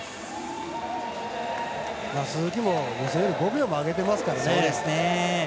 鈴木も予選より５秒も上げてますからね。